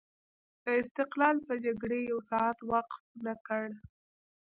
د استقلال په جګړې یو ساعت وقف نه کړ.